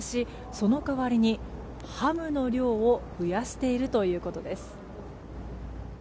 その代わりにハムの量を増やしているということです。